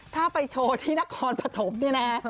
ถ้าไปโชว์ที่นครปฐมเนี่ยนะ